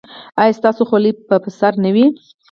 ایا ستاسو خولۍ به پر سر نه وي؟